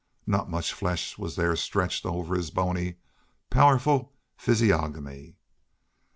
Not much flesh was there stretched over his bony, powerful physiognomy.